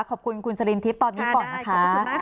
ขอบคุณคุณสลินทิพย์ตอนนี้ก่อนนะคะ